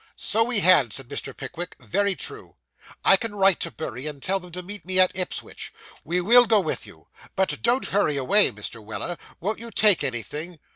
'So we had,' said Mr. Pickwick; 'very true; I can write to Bury, and tell them to meet me at Ipswich. We will go with you. But don't hurry away, Mr. Weller; won't you take anything?